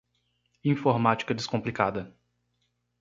Informática descomplicada